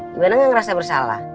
gimana enggak ngerasa bersalah